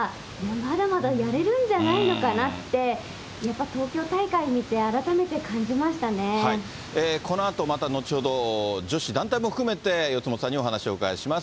まだまだやれるんじゃないのかなって、やっぱり東京大会見て、このあと、また後ほど、女子団体も含めて、四元さんにお話をお伺いします。